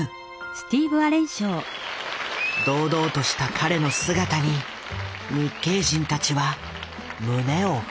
堂々とした彼の姿に日系人たちは胸を震わせた。